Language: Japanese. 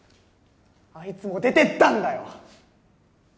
あいつも出てったんだよ